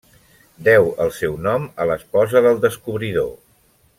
Deu al seu nom a l'esposa del descobridor.